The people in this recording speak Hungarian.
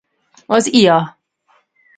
Az Ia.